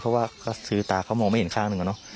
เพราะว่าเขาซื้อตาเขามองไม่เห็นข้างหนึ่งอะเนาะ